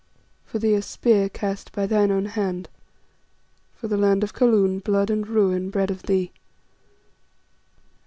For thee a spear cast by thine own hand. For the land of Kaloon blood and ruin bred of thee!